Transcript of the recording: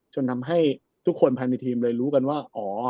จนทำให้ทุกคนภายในทีมเลยรู้กันว่าอ๋อ